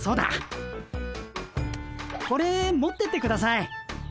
これ持ってってください。